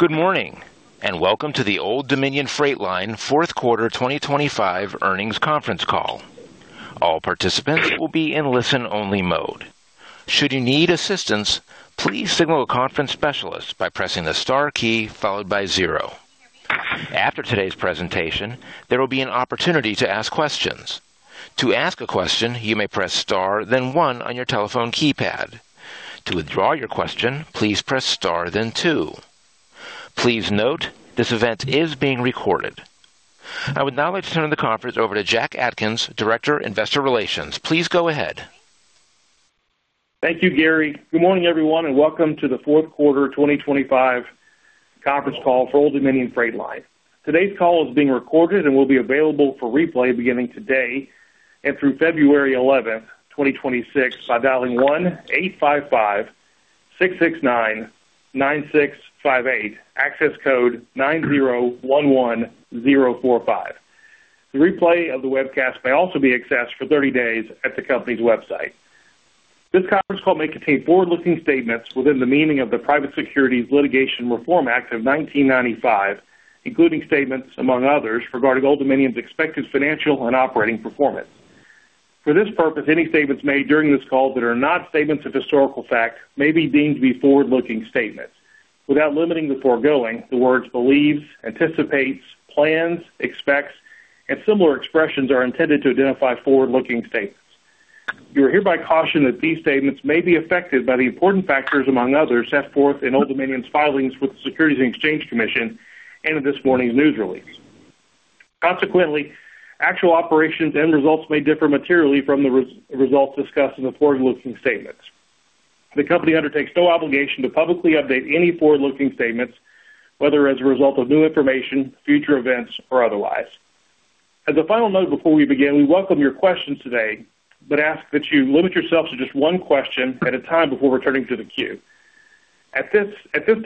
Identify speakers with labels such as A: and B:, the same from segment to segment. A: Good morning and welcome to the Old Dominion Freight Line Fourth Quarter 2025 earnings conference call. All participants will be in listen-only mode. Should you need assistance, please signal a conference specialist by pressing the star key followed by zero. After today's presentation, there will be an opportunity to ask questions. To ask a question, you may press star then one on your telephone keypad. To withdraw your question, please press star then two. Please note, this event is being recorded. I would now like to turn the conference over to Jack Atkins, Director, Investor Relations. Please go ahead.
B: Thank you, Gary. Good morning, everyone, and welcome to the fourth quarter 2025 conference call for Old Dominion Freight Line. Today's call is being recorded and will be available for replay beginning today and through February 11, 2026, by dialing 1-855-669-9658, access code 9011045. The replay of the webcast may also be accessed for 30 days at the company's website. This conference call may contain forward-looking statements within the meaning of the Private Securities Litigation Reform Act of 1995, including statements, among others, regarding Old Dominion's expected financial and operating performance. For this purpose, any statements made during this call that are not statements of historical fact may be deemed to be forward-looking statements. Without limiting the foregoing, the words "believes," "anticipates," "plans," "expects," and similar expressions are intended to identify forward-looking statements. You are hereby cautioned that these statements may be affected by the important factors, among others, set forth in Old Dominion's filings with the Securities and Exchange Commission and in this morning's news release. Consequently, actual operations and results may differ materially from the results discussed in the forward-looking statements. The company undertakes no obligation to publicly update any forward-looking statements, whether as a result of new information, future events, or otherwise. As a final note before we begin, we welcome your questions today, but ask that you limit yourself to just one question at a time before returning to the queue. At this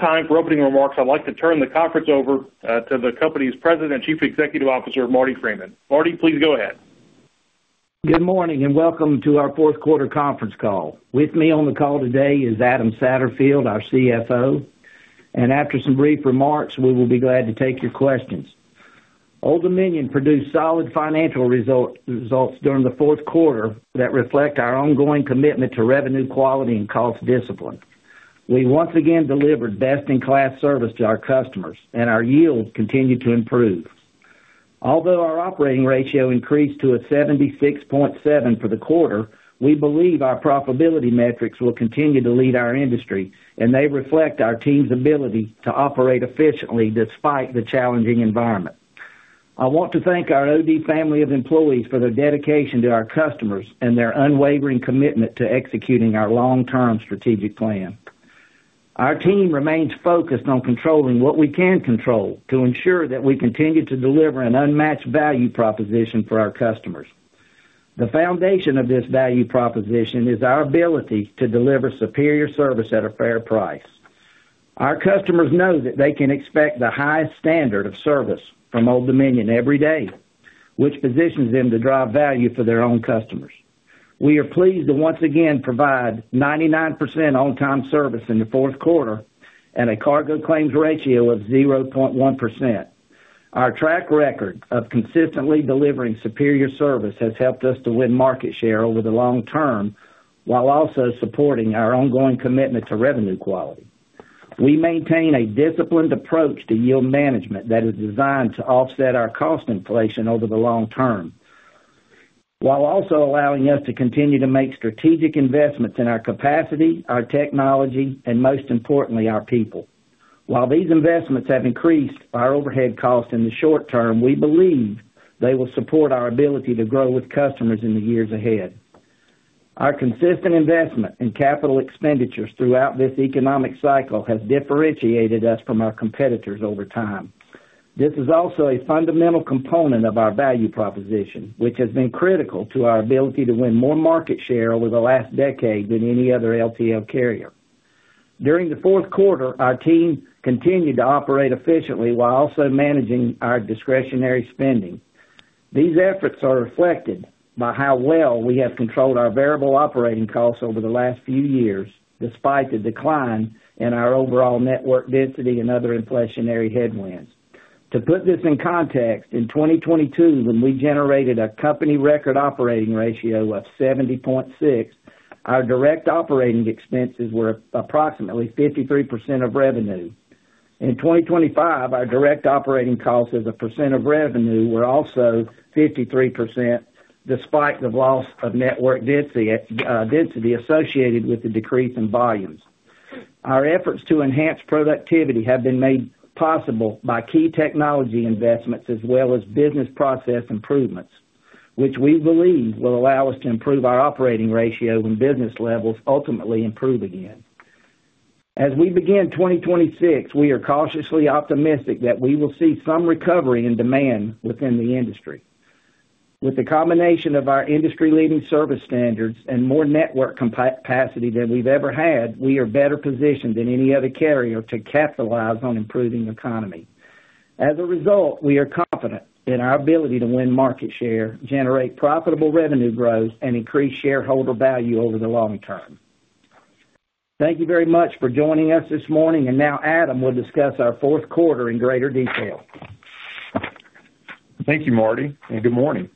B: time for opening remarks, I'd like to turn the conference over to the company's President and Chief Executive Officer, Marty Freeman. Marty, please go ahead.
C: Good morning and welcome to our fourth quarter conference call. With me on the call today is Adam Satterfield, our CFO, and after some brief remarks, we will be glad to take your questions. Old Dominion produced solid financial results during the fourth quarter that reflect our ongoing commitment to revenue quality and cost discipline. We once again delivered best-in-class service to our customers, and our yield continued to improve. Although our operating ratio increased to a 76.7% for the quarter, we believe our profitability metrics will continue to lead our industry, and they reflect our team's ability to operate efficiently despite the challenging environment. I want to thank our OD family of employees for their dedication to our customers and their unwavering commitment to executing our long-term strategic plan. Our team remains focused on controlling what we can control to ensure that we continue to deliver an unmatched value proposition for our customers. The foundation of this value proposition is our ability to deliver superior service at a fair price. Our customers know that they can expect the highest standard of service from Old Dominion every day, which positions them to drive value for their own customers. We are pleased to once again provide 99% on-time service in the fourth quarter and a cargo claims ratio of 0.1%. Our track record of consistently delivering superior service has helped us to win market share over the long term while also supporting our ongoing commitment to revenue quality. We maintain a disciplined approach to yield management that is designed to offset our cost inflation over the long term while also allowing us to continue to make strategic investments in our capacity, our technology, and most importantly, our people. While these investments have increased our overhead costs in the short term, we believe they will support our ability to grow with customers in the years ahead. Our consistent investment in capital expenditures throughout this economic cycle has differentiated us from our competitors over time. This is also a fundamental component of our value proposition, which has been critical to our ability to win more market share over the last decade than any other LTL carrier. During the fourth quarter, our team continued to operate efficiently while also managing our discretionary spending. These efforts are reflected by how well we have controlled our variable operating costs over the last few years despite the decline in our overall network density and other inflationary headwinds. To put this in context, in 2022, when we generated a company record operating ratio of 70.6, our direct operating expenses were approximately 53% of revenue. In 2025, our direct operating costs as a percent of revenue were also 53% despite the loss of network density associated with the decrease in volumes. Our efforts to enhance productivity have been made possible by key technology investments as well as business process improvements, which we believe will allow us to improve our operating ratio when business levels ultimately improve again. As we begin 2026, we are cautiously optimistic that we will see some recovery in demand within the industry. With the combination of our industry-leading service standards and more network capacity than we've ever had, we are better positioned than any other carrier to capitalize on improving the economy. As a result, we are confident in our ability to win market share, generate profitable revenue growth, and increase shareholder value over the long term. Thank you very much for joining us this morning, and now Adam will discuss our fourth quarter in greater detail.
D: Thank you, Marty, and good morning.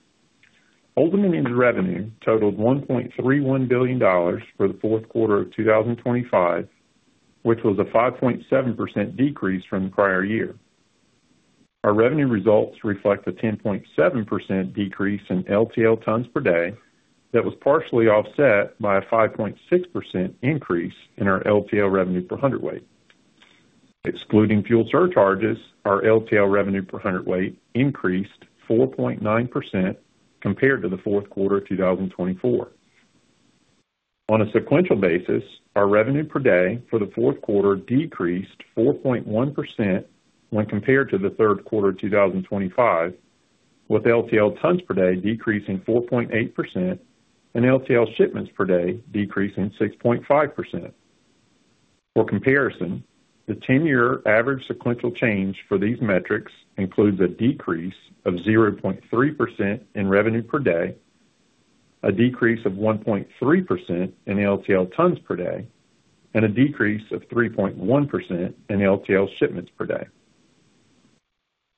D: Old Dominion's revenue totaled $1.31 billion for the fourth quarter of 2025, which was a 5.7% decrease from the prior year. Our revenue results reflect a 10.7% decrease in LTL tons per day that was partially offset by a 5.6% increase in our LTL revenue per hundredweight. Excluding fuel surcharges, our LTL revenue per hundredweight increased 4.9% compared to the fourth quarter of 2024. On a sequential basis, our revenue per day for the fourth quarter decreased 4.1% when compared to the third quarter of 2025, with LTL tons per day decreasing 4.8% and LTL shipments per day decreasing 6.5%. For comparison, the 10-year average sequential change for these metrics includes a decrease of 0.3% in revenue per day, a decrease of 1.3% in LTL tons per day, and a decrease of 3.1% in LTL shipments per day.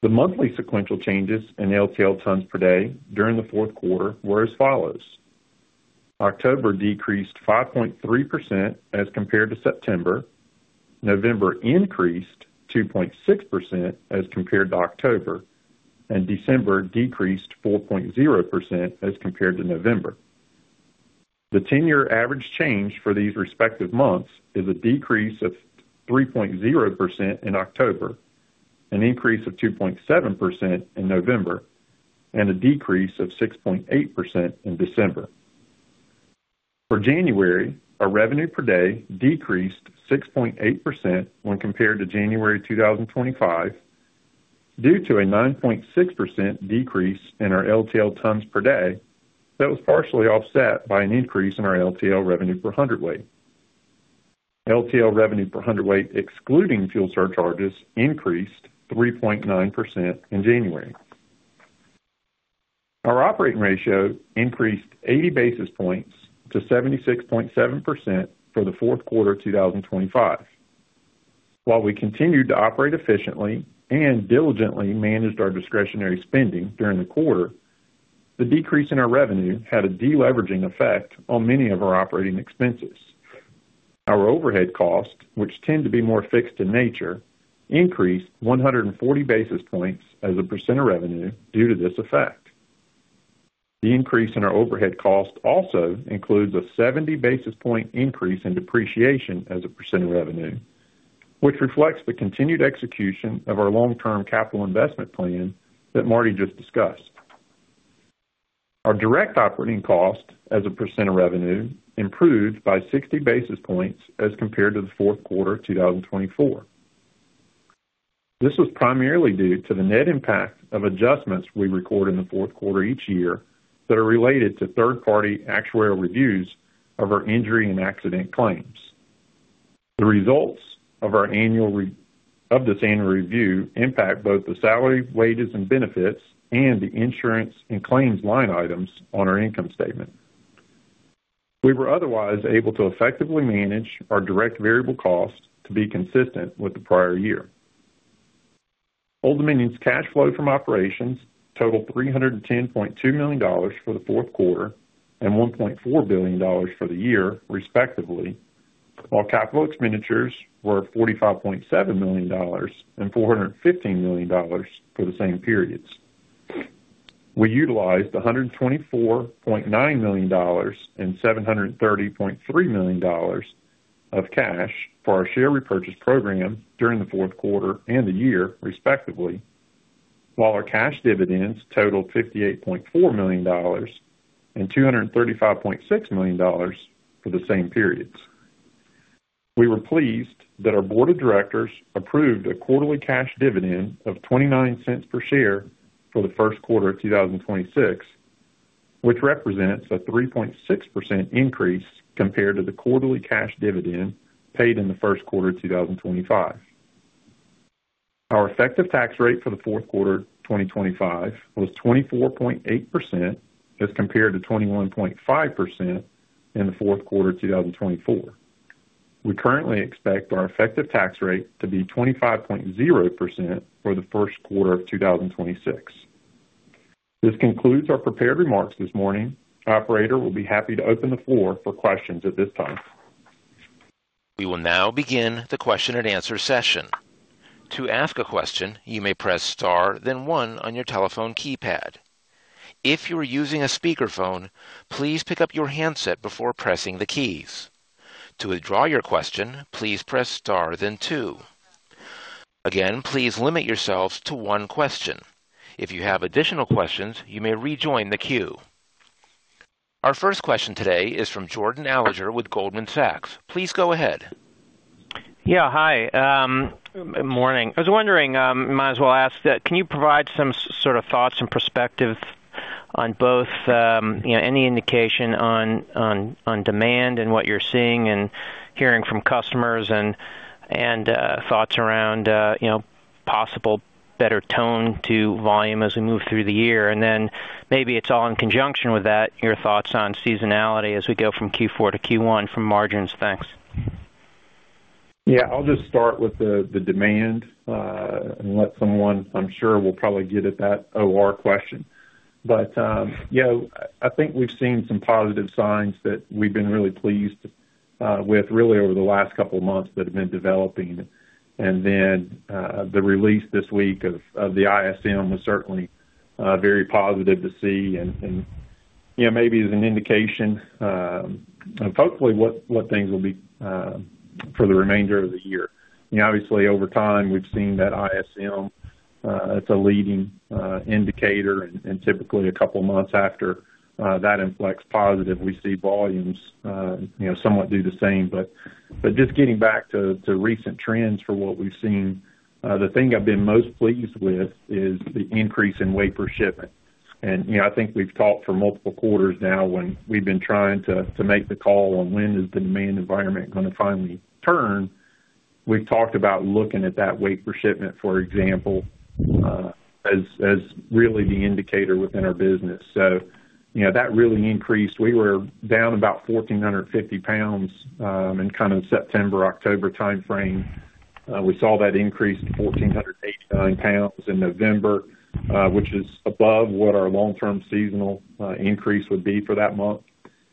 D: The monthly sequential changes in LTL tons per day during the fourth quarter were as follows. October decreased 5.3% as compared to September, November increased 2.6% as compared to October, and December decreased 4.0% as compared to November. The 10-year average change for these respective months is a decrease of 3.0% in October, an increase of 2.7% in November, and a decrease of 6.8% in December. For January, our revenue per day decreased 6.8% when compared to January 2025 due to a 9.6% decrease in our LTL tons per day that was partially offset by an increase in our LTL revenue per hundredweight. LTL revenue per hundredweight excluding fuel surcharges increased 3.9% in January. Our operating ratio increased 80 basis points to 76.7% for the fourth quarter of 2025. While we continued to operate efficiently and diligently managed our discretionary spending during the quarter, the decrease in our revenue had a deleveraging effect on many of our operating expenses. Our overhead costs, which tend to be more fixed in nature, increased 140 basis points as a percent of revenue due to this effect. The increase in our overhead costs also includes a 70 basis point increase in depreciation as a percent of revenue, which reflects the continued execution of our long-term capital investment plan that Marty just discussed. Our direct operating cost as a percent of revenue improved by 60 basis points as compared to the fourth quarter of 2024. This was primarily due to the net impact of adjustments we record in the fourth quarter each year that are related to third-party actuarial reviews of our injury and accident claims. The results of this annual review impact both the salary, wages, and benefits, and the insurance and claims line items on our income statement. We were otherwise able to effectively manage our direct variable costs to be consistent with the prior year. Old Dominion's cash flow from operations totaled $310.2 million for the fourth quarter and $1.4 billion for the year, respectively, while capital expenditures were $45.7 million and $415 million for the same periods. We utilized $124.9 million and $730.3 million of cash for our share repurchase program during the fourth quarter and the year, respectively, while our cash dividends totaled $58.4 million and $235.6 million for the same periods. We were pleased that our board of directors approved a quarterly cash dividend of $0.29 per share for the first quarter of 2026, which represents a 3.6% increase compared to the quarterly cash dividend paid in the first quarter of 2025. Our effective tax rate for the fourth quarter of 2025 was 24.8% as compared to 21.5% in the fourth quarter of 2024. We currently expect our effective tax rate to be 25.0% for the first quarter of 2026. This concludes our prepared remarks this morning. Operator will be happy to open the floor for questions at this time.
A: We will now begin the question-and-answer session. To ask a question, you may press star, then one on your telephone keypad. If you are using a speakerphone, please pick up your handset before pressing the keys. To withdraw your question, please press star, then two. Again, please limit yourselves to one question. If you have additional questions, you may rejoin the queue. Our first question today is from Jordan Alliger with Goldman Sachs. Please go ahead.
E: Yeah, hi. Good morning. I was wondering, might as well ask, can you provide some sort of thoughts and perspectives on both any indication on demand and what you're seeing and hearing from customers and thoughts around possible better tone to volume as we move through the year? And then maybe it's all in conjunction with that, your thoughts on seasonality as we go from Q4 to Q1 from margins. Thanks.
D: Yeah, I'll just start with the demand and let someone, I'm sure we'll probably get at that OR question. But yeah, I think we've seen some positive signs that we've been really pleased with, really, over the last couple of months that have been developing. And then the release this week of the ISM was certainly very positive to see and maybe as an indication of, hopefully, what things will be for the remainder of the year. Obviously, over time, we've seen that ISM. It's a leading indicator, and typically, a couple of months after that inflects positive, we see volumes somewhat do the same. But just getting back to recent trends for what we've seen, the thing I've been most pleased with is the increase in weight per shipment. I think we've talked for multiple quarters now when we've been trying to make the call on when is the demand environment going to finally turn. We've talked about looking at that weight per shipment, for example, as really the indicator within our business. So that really increased. We were down about 1,450 lbs in kind of September, October timeframe. We saw that increase to 1,489 lbs in November, which is above what our long-term seasonal increase would be for that month.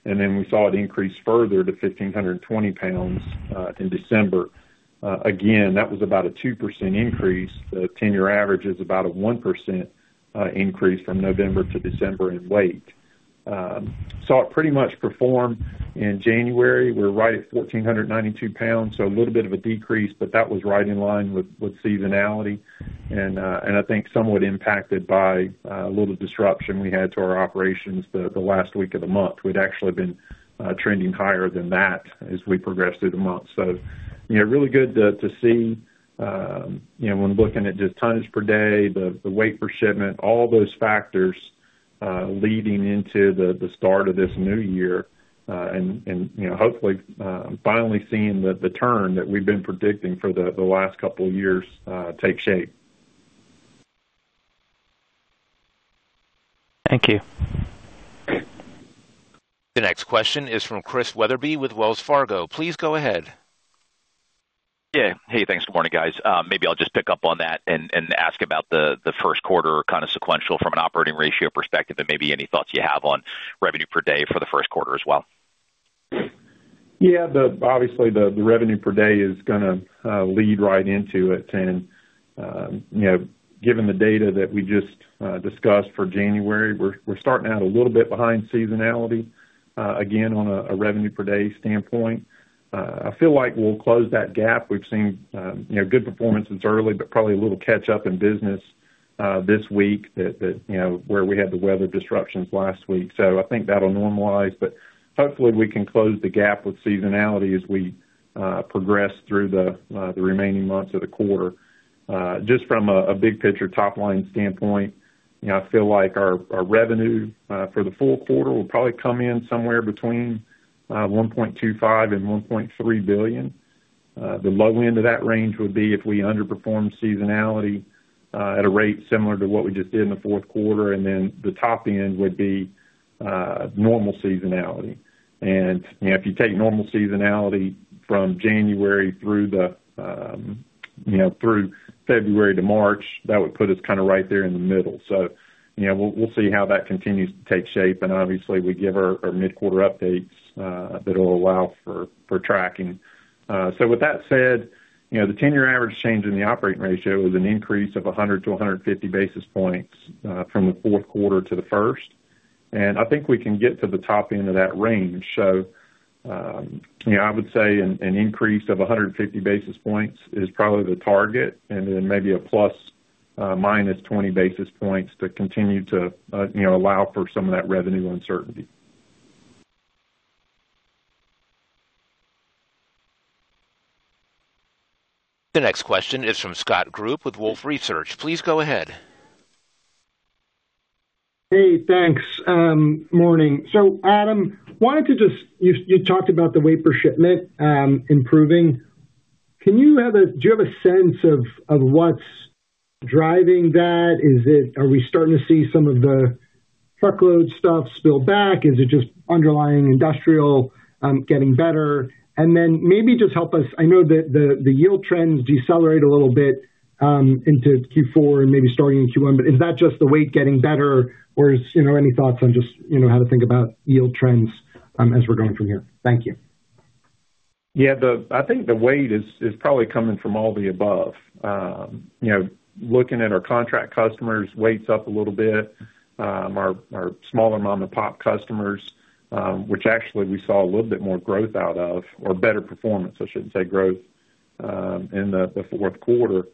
D: And then we saw it increase further to 1,520 lbs in December. Again, that was about a 2% increase. The 10-year average is about a 1% increase from November to December in weight. Saw it pretty much perform in January. We're right at 1,492 lbs, so a little bit of a decrease, but that was right in line with seasonality and I think somewhat impacted by a little disruption we had to our operations the last week of the month. We'd actually been trending higher than that as we progressed through the month. So really good to see when looking at just tonnage per day, the weight per shipment, all those factors leading into the start of this new year and hopefully finally seeing the turn that we've been predicting for the last couple of years take shape.
E: Thank you.
A: The next question is from Chris Wetherbee with Wells Fargo. Please go ahead.
F: Yeah. Hey, thanks. Good morning, guys. Maybe I'll just pick up on that and ask about the first quarter kind of sequential from an operating ratio perspective and maybe any thoughts you have on revenue per day for the first quarter as well.
D: Yeah, obviously, the revenue per day is going to lead right into it. And given the data that we just discussed for January, we're starting out a little bit behind seasonality again on a revenue per day standpoint. I feel like we'll close that gap. We've seen good performance since early, but probably a little catch-up in business this week where we had the weather disruptions last week. So I think that'll normalize, but hopefully, we can close the gap with seasonality as we progress through the remaining months of the quarter. Just from a big picture top-line standpoint, I feel like our revenue for the full quarter will probably come in somewhere between $1.25 billion and $1.3 billion. The low end of that range would be if we underperform seasonality at a rate similar to what we just did in the fourth quarter, and then the top end would be normal seasonality. And if you take normal seasonality from January through February to March, that would put us kind of right there in the middle. So we'll see how that continues to take shape. And obviously, we give our mid-quarter updates that'll allow for tracking. So with that said, the 10-year average change in the operating ratio is an increase of 100-150 basis points from the fourth quarter to the first. And I think we can get to the top end of that range. So I would say an increase of 150 basis points is probably the target and then maybe a ±20 basis points to continue to allow for some of that revenue uncertainty.
A: The next question is from Scott Group with Wolfe Research. Please go ahead.
G: Hey, thanks. Morning. So Adam, wanted to just you talked about the average shipment improving. Can you have a do you have a sense of what's driving that? Are we starting to see some of the truckload stuff spill back? Is it just underlying industrial getting better? And then maybe just help us I know that the yield trends decelerate a little bit into Q4 and maybe starting in Q1, but is that just the weight getting better, or is any thoughts on just how to think about yield trends as we're going from here? Thank you.
D: Yeah, I think the weight is probably coming from all the above. Looking at our contract customers, weight's up a little bit. Our smaller mom-and-pop customers, which actually we saw a little bit more growth out of or better performance, I shouldn't say growth, in the fourth quarter,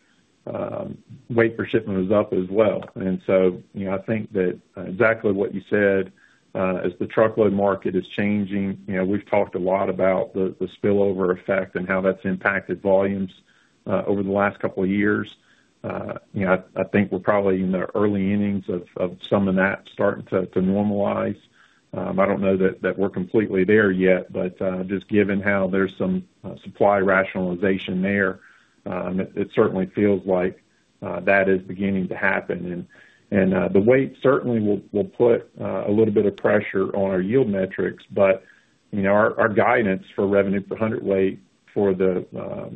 D: average shipment was up as well. And so I think that exactly what you said, as the truckload market is changing, we've talked a lot about the spillover effect and how that's impacted volumes over the last couple of years. I think we're probably in the early innings of some of that starting to normalize. I don't know that we're completely there yet, but just given how there's some supply rationalization there, it certainly feels like that is beginning to happen. The weight certainly will put a little bit of pressure on our yield metrics, but our guidance for revenue per hundredweight for the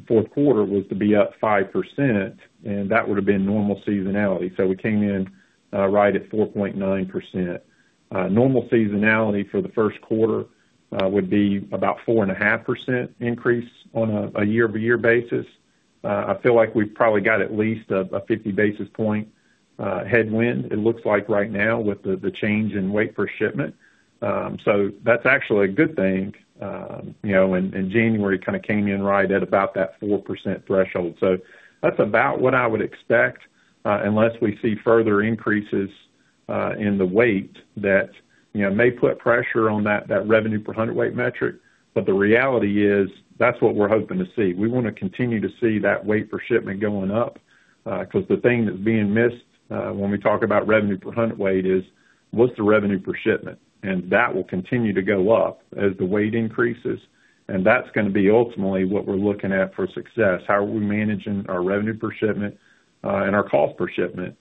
D: fourth quarter was to be up 5%, and that would have been normal seasonality. So we came in right at 4.9%. Normal seasonality for the first quarter would be about 4.5% increase on a year-over-year basis. I feel like we've probably got at least a 50 basis points headwind, it looks like, right now with the change in average shipment. So that's actually a good thing. And January kind of came in right at about that 4% threshold. So that's about what I would expect unless we see further increases in the weight that may put pressure on that revenue per hundredweight metric. But the reality is that's what we're hoping to see. We want to continue to see that average shipment going up because the thing that's being missed when we talk about revenue per hundredweight is, what's the revenue per shipment? That will continue to go up as the weight increases. That's going to be ultimately what we're looking at for success. How are we managing our revenue per shipment and our cost per shipment?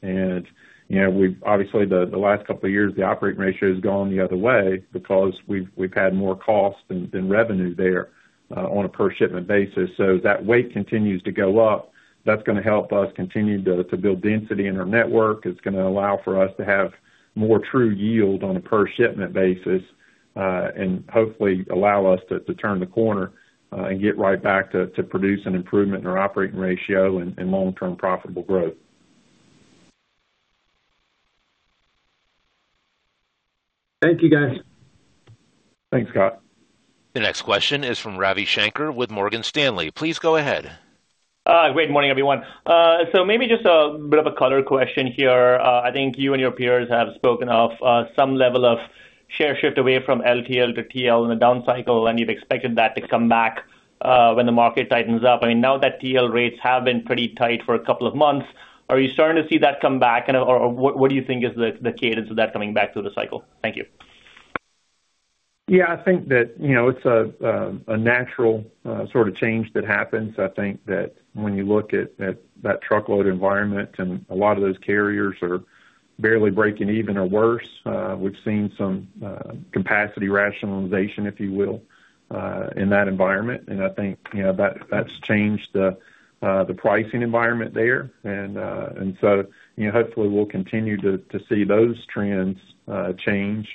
D: Obviously, the last couple of years, the operating ratio has gone the other way because we've had more cost than revenue there on a per-shipment basis. As that weight continues to go up, that's going to help us continue to build density in our network. It's going to allow for us to have more true yield on a per-shipment basis and hopefully allow us to turn the corner and get right back to produce an improvement in our operating ratio and long-term profitable growth.
G: Thank you, guys.
D: Thanks, Scott.
A: The next question is from Ravi Shanker with Morgan Stanley. Please go ahead.
H: Good morning, everyone. Maybe just a bit of a color question here. I think you and your peers have spoken of some level of share shift away from LTL to TL in a down cycle, and you've expected that to come back when the market tightens up. I mean, now that TL rates have been pretty tight for a couple of months, are you starting to see that come back, kind of, or what do you think is the cadence of that coming back through the cycle? Thank you.
D: Yeah, I think that it's a natural sort of change that happens. I think that when you look at that truckload environment and a lot of those carriers are barely breaking even or worse, we've seen some capacity rationalization, if you will, in that environment. I think that's changed the pricing environment there. So hopefully, we'll continue to see those trends change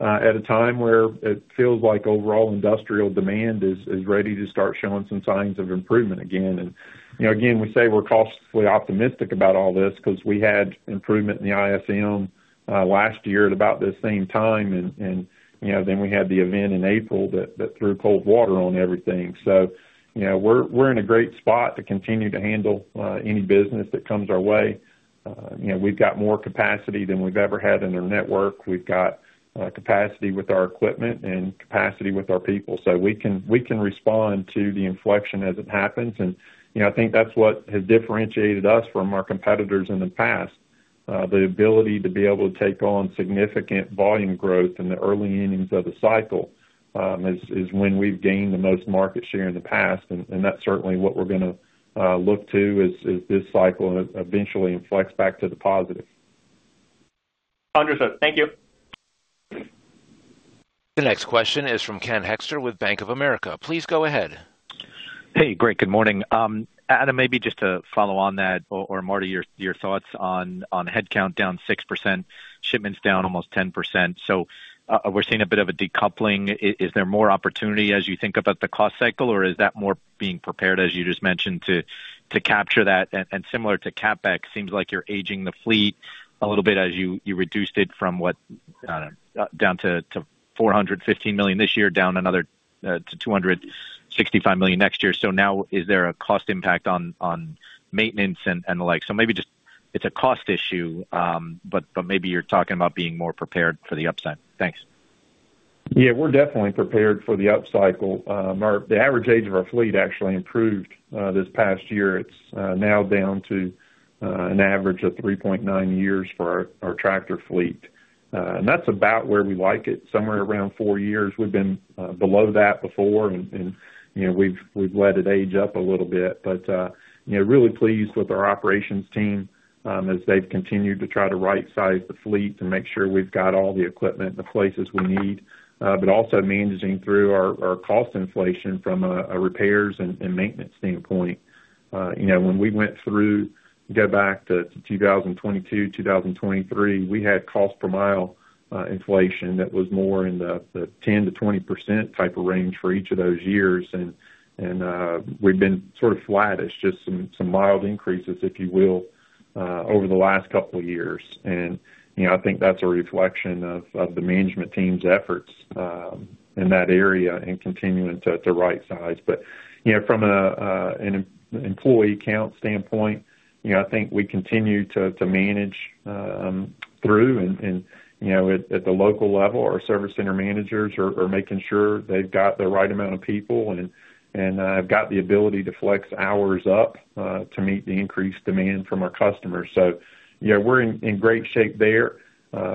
D: at a time where it feels like overall industrial demand is ready to start showing some signs of improvement again. Again, we say we're cautiously optimistic about all this because we had improvement in the ISM last year at about this same time. Then we had the event in April that threw cold water on everything. So we're in a great spot to continue to handle any business that comes our way. We've got more capacity than we've ever had in our network. We've got capacity with our equipment and capacity with our people. So we can respond to the inflection as it happens. And I think that's what has differentiated us from our competitors in the past, the ability to be able to take on significant volume growth in the early innings of the cycle is when we've gained the most market share in the past. And that's certainly what we're going to look to as this cycle eventually inflects back to the positive.
H: Understood. Thank you.
A: The next question is from Ken Hoexter with Bank of America. Please go ahead.
I: Hey, great. Good morning. Adam, maybe just to follow on that or Marty, your thoughts on headcount down 6%, shipments down almost 10%. So we're seeing a bit of a decoupling. Is there more opportunity as you think about the cost cycle, or is that more being prepared, as you just mentioned, to capture that? And similar to CapEx, seems like you're aging the fleet a little bit as you reduced it from what?
D: Got it.
I: Down to $415 million this year, down another to $265 million next year. So now, is there a cost impact on maintenance and the like? So maybe just it's a cost issue, but maybe you're talking about being more prepared for the upside. Thanks.
D: Yeah, we're definitely prepared for the upcycle. The average age of our fleet actually improved this past year. It's now down to an average of 3.9 years for our tractor fleet. And that's about where we like it, somewhere around four years. We've been below that before, and we've let it age up a little bit. But really pleased with our operations team as they've continued to try to right-size the fleet to make sure we've got all the equipment in the places we need, but also managing through our cost inflation from a repairs and maintenance standpoint. When we went through, go back to 2022, 2023, we had cost per mile inflation that was more in the 10%-20% type of range for each of those years. And we've been sort of flattish, just some mild increases, if you will, over the last couple of years. And I think that's a reflection of the management team's efforts in that area and continuing to right-size. But from an employee count standpoint, I think we continue to manage through. And at the local level, our service center managers are making sure they've got the right amount of people and have got the ability to flex hours up to meet the increased demand from our customers. So we're in great shape there.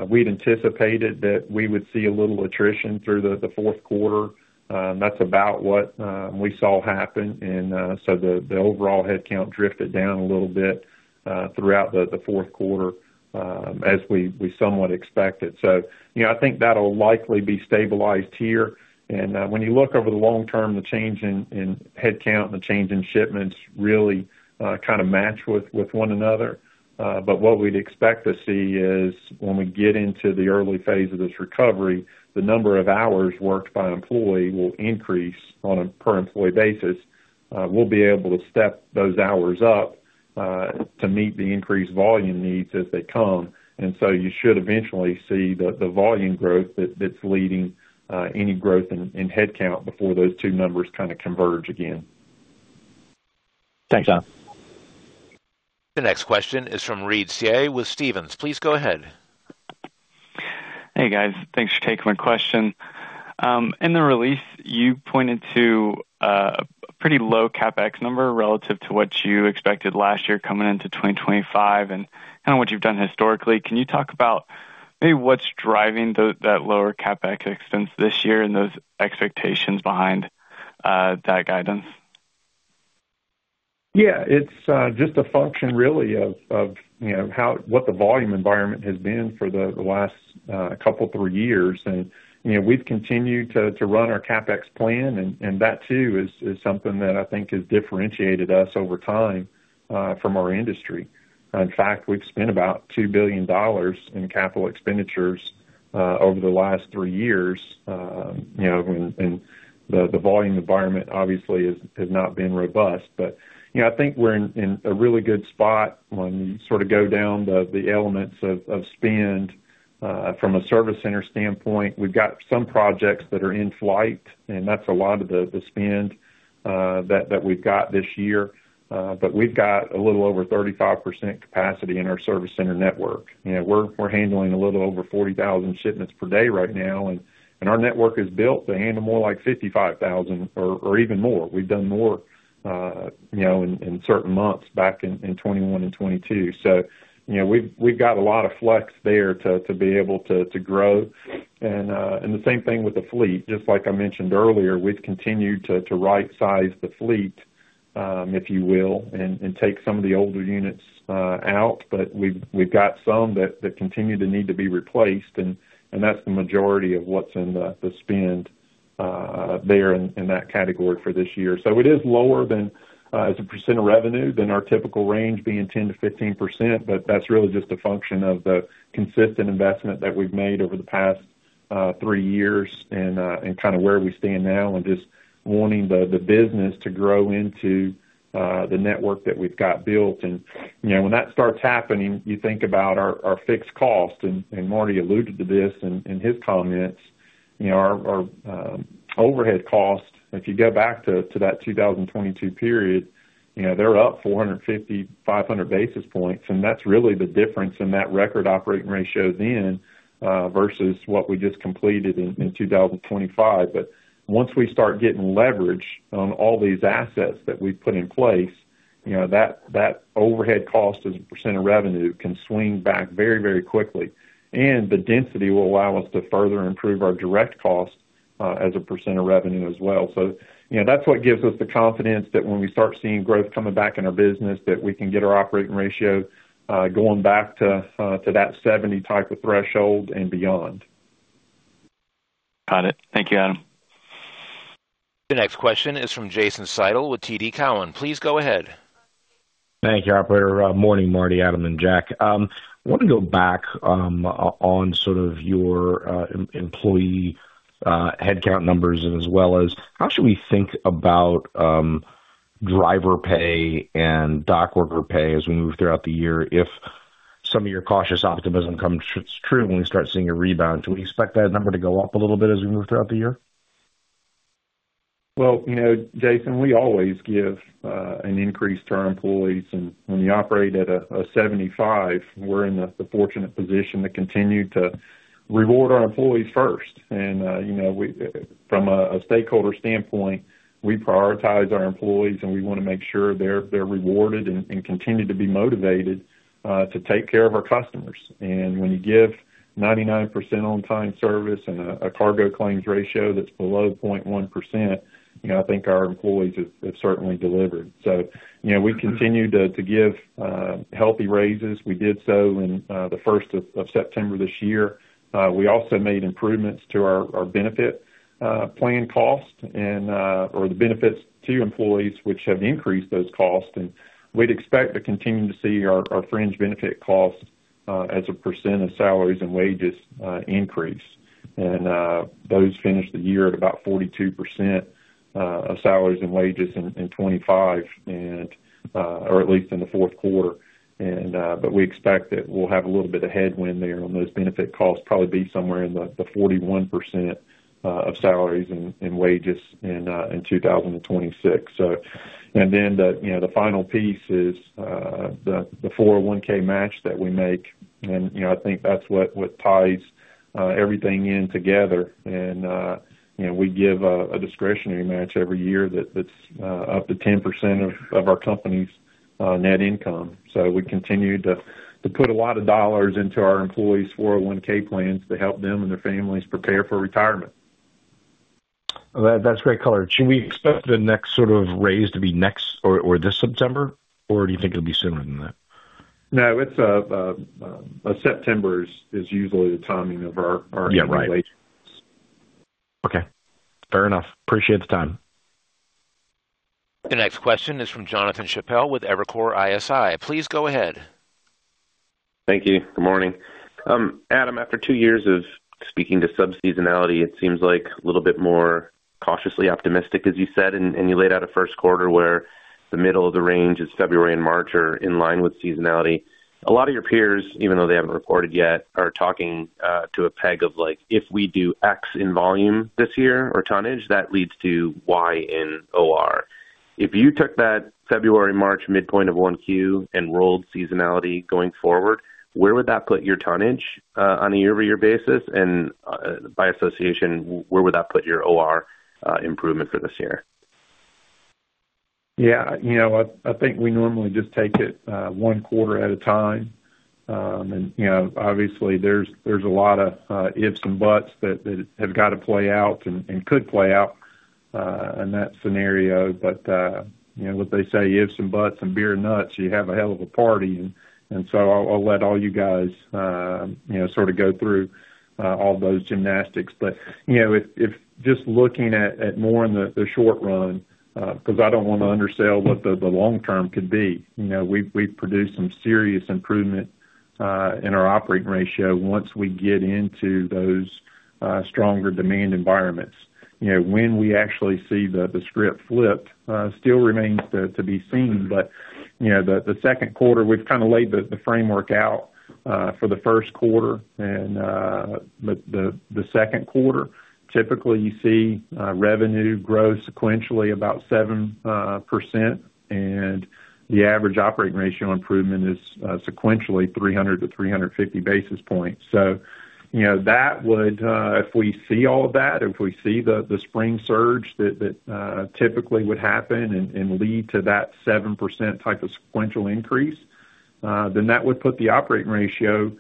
D: We'd anticipated that we would see a little attrition through the fourth quarter. That's about what we saw happen. And so the overall headcount drifted down a little bit throughout the fourth quarter as we somewhat expected. So I think that'll likely be stabilized here. And when you look over the long term, the change in headcount and the change in shipments really kind of match with one another. But what we'd expect to see is when we get into the early phase of this recovery, the number of hours worked by employee will increase on a per-employee basis. We'll be able to step those hours up to meet the increased volume needs as they come. And so you should eventually see the volume growth that's leading any growth in headcount before those two numbers kind of converge again.
I: Thanks, Adam.
A: The next question is from Reed Seay with Stephens. Please go ahead.
J: Hey, guys. Thanks for taking my question. In the release, you pointed to a pretty low CapEx number relative to what you expected last year coming into 2025 and kind of what you've done historically. Can you talk about maybe what's driving that lower CapEx expense this year and those expectations behind that guidance?
D: Yeah, it's just a function, really, of what the volume environment has been for the last couple, three years. We've continued to run our CapEx plan, and that too is something that I think has differentiated us over time from our industry. In fact, we've spent about $2 billion in capital expenditures over the last three years. The volume environment, obviously, has not been robust. But I think we're in a really good spot when you sort of go down the elements of spend from a service center standpoint. We've got some projects that are in flight, and that's a lot of the spend that we've got this year. But we've got a little over 35% capacity in our service center network. We're handling a little over 40,000 shipments per day right now. Our network is built to handle more like 55,000 or even more. We've done more in certain months back in 2021 and 2022. So we've got a lot of flex there to be able to grow. And the same thing with the fleet. Just like I mentioned earlier, we've continued to right-size the fleet, if you will, and take some of the older units out. But we've got some that continue to need to be replaced. And that's the majority of what's in the spend there in that category for this year. So it is lower as a percent of revenue than our typical range being 10%-15%. But that's really just a function of the consistent investment that we've made over the past three years and kind of where we stand now and just wanting the business to grow into the network that we've got built. And when that starts happening, you think about our fixed cost. Marty alluded to this in his comments. Our overhead cost, if you go back to that 2022 period, they're up 450-500 basis points. That's really the difference in that record operating ratio then versus what we just completed in 2025. Once we start getting leverage on all these assets that we've put in place, that overhead cost as a percent of revenue can swing back very, very quickly. The density will allow us to further improve our direct cost as a percent of revenue as well. That's what gives us the confidence that when we start seeing growth coming back in our business, that we can get our operating ratio going back to that 70 type of threshold and beyond.
J: Got it. Thank you, Adam.
A: The next question is from Jason Seidl with TD Cowen. Please go ahead.
K: Thank you, operator. Morning, Marty, Adam, and Jack. I want to go back on sort of your employee headcount numbers as well as how should we think about driver pay and dockworker pay as we move throughout the year if some of your cautious optimism comes true when we start seeing a rebound? Do we expect that number to go up a little bit as we move throughout the year?
D: Well, Jason, we always give an increase to our employees. When you operate at a 75, we're in the fortunate position to continue to reward our employees first. From a stakeholder standpoint, we prioritize our employees, and we want to make sure they're rewarded and continue to be motivated to take care of our customers. When you give 99% on-time service and a cargo claims ratio that's below 0.1%, I think our employees have certainly delivered. So we continue to give healthy raises. We did so in the 1st of September this year. We also made improvements to our benefit plan cost or the benefits to employees, which have increased those costs. We'd expect to continue to see our fringe benefit costs as a % of salaries and wages increase. Those finish the year at about 42% of salaries and wages in 2025 or at least in the fourth quarter. We expect that we'll have a little bit of headwind there on those benefit costs, probably be somewhere in the 41% of salaries and wages in 2026. Then the final piece is the 401(k) match that we make. I think that's what ties everything in together. We give a discretionary match every year that's up to 10% of our company's net income. We continue to put a lot of dollars into our employees' 401(k) plans to help them and their families prepare for retirement.
K: That's great color. Should we expect the next sort of raise to be next or this September, or do you think it'll be sooner than that?
D: No, September is usually the timing of our regulations.
K: Yeah, right. Okay. Fair enough. Appreciate the time.
A: The next question is from Jonathan Chappell with Evercore ISI. Please go ahead.
L: Thank you. Good morning. Adam, after two years of speaking to subseasonality, it seems like a little bit more cautiously optimistic, as you said. You laid out a first quarter where the middle of the range is February and March are in line with seasonality. A lot of your peers, even though they haven't reported yet, are talking to a peg of like, "If we do X in volume this year or tonnage, that leads to Y in OR." If you took that February, March midpoint of 1Q and rolled seasonality going forward, where would that put your tonnage on a year-over-year basis? And by association, where would that put your OR improvement for this year?
D: Yeah, I think we normally just take it one quarter at a time. And obviously, there's a lot of ifs and buts that have got to play out and could play out in that scenario. But what they say, ifs and buts and beer and nuts, you have a hell of a party. And so I'll let all you guys sort of go through all those gymnastics. But just looking at more in the short run because I don't want to undersell what the long term could be. We've produced some serious improvement in our operating ratio once we get into those stronger demand environments. When we actually see the script flipped still remains to be seen. But the second quarter, we've kind of laid the framework out for the first quarter. But the second quarter, typically, you see revenue grow sequentially about 7%. The average operating ratio improvement is sequentially 300-350 basis points. So if we see all of that, if we see the spring surge that typically would happen and lead to that 7% type of sequential increase, then that would put the operating ratio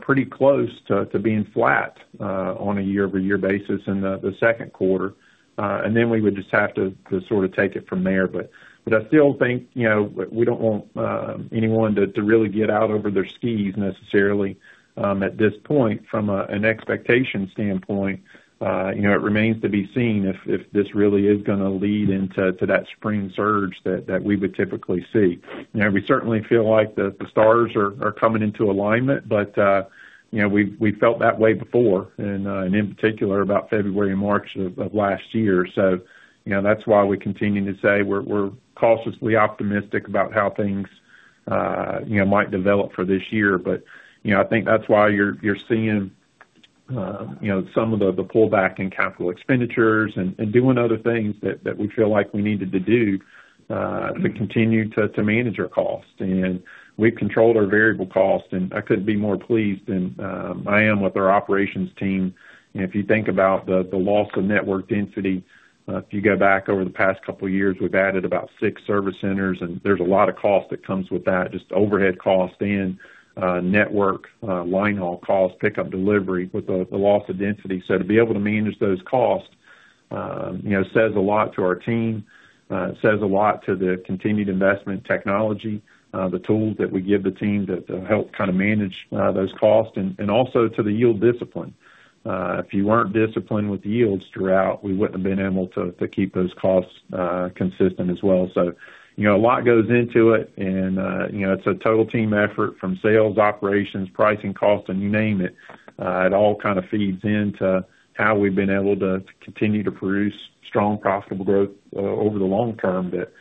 D: pretty close to being flat on a year-over-year basis in the second quarter. And then we would just have to sort of take it from there. But I still think we don't want anyone to really get out over their skis necessarily at this point from an expectation standpoint. It remains to be seen if this really is going to lead into that spring surge that we would typically see. We certainly feel like the stars are coming into alignment, but we've felt that way before and in particular about February and March of last year. So that's why we continue to say we're cautiously optimistic about how things might develop for this year. But I think that's why you're seeing some of the pullback in capital expenditures and doing other things that we feel like we needed to do to continue to manage our costs. And we've controlled our variable costs. And I couldn't be more pleased than I am with our operations team. If you think about the loss of network density, if you go back over the past couple of years, we've added about six service centers. And there's a lot of cost that comes with that, just overhead costs and network linehaul costs, pickup, delivery with the loss of density. So to be able to manage those costs says a lot to our team. It says a lot to the continued investment technology, the tools that we give the team to help kind of manage those costs, and also to the yield discipline. If you weren't disciplined with yields throughout, we wouldn't have been able to keep those costs consistent as well. So a lot goes into it. And it's a total team effort from sales, operations, pricing, costs, and you name it. It all kind of feeds into how we've been able to continue to produce strong, profitable growth over the long term. But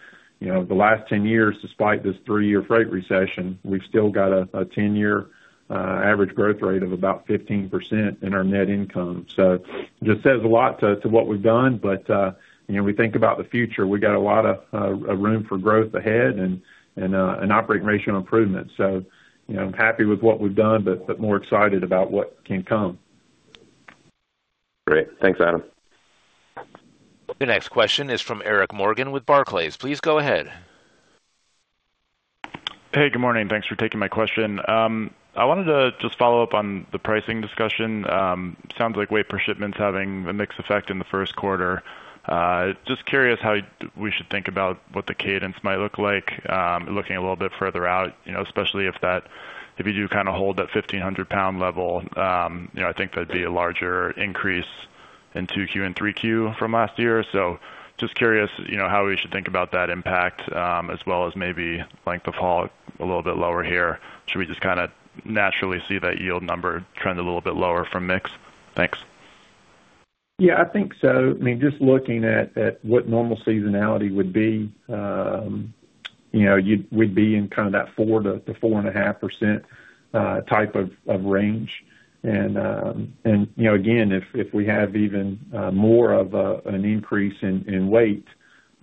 D: the last 10 years, despite this three-year freight recession, we've still got a 10-year average growth rate of about 15% in our net income. So it just says a lot to what we've done. But we think about the future. We got a lot of room for growth ahead and operating ratio improvements. I'm happy with what we've done, but more excited about what can come.
L: Great. Thanks, Adam.
A: The next question is from Eric Morgan with Barclays. Please go ahead.
M: Hey, good morning. Thanks for taking my question. I wanted to just follow up on the pricing discussion. Sounds like weight per shipment's having a mixed effect in the first quarter. Just curious how we should think about what the cadence might look like, looking a little bit further out, especially if you do kind of hold that 1,500 lbs level. I think that'd be a larger increase in 2Q and 3Q from last year. So just curious how we should think about that impact as well as maybe length of haul a little bit lower here. Should we just kind of naturally see that yield number trend a little bit lower from mix? Thanks.
D: Yeah, I think so. I mean, just looking at what normal seasonality would be, we'd be in kind of that 4%-4.5% type of range. And again, if we have even more of an increase in weight,